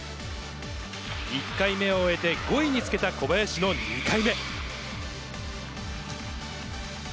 １回目を終えて５位につけた小林の２回目。